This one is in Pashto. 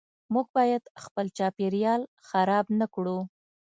موږ باید خپل چاپیریال خراب نکړو .